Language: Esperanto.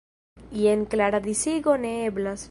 Jen klara disigo ne eblas.